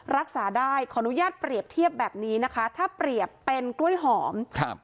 รักษาได้ขออนุญาตเปรียบเทียบแบบนี้นะคะถ้าเปรียบเป็นกล้วยหอมครับ